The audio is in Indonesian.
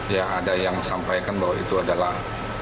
ya ada yang sampaikan bahwa itu adalah